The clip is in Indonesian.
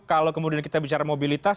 kalau kemudian kita bicara mobilitas